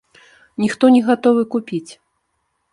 Ніхто не гатовы купіць.